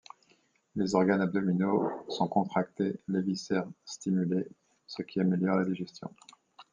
Les organes abdominaux sont contractés, les viscères stimulés, ce qui améliore la digestion.